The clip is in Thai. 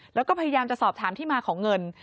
แล้วก็พยายามจะสอบถามที่มาของเงิน